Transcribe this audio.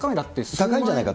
高いんじゃないかと。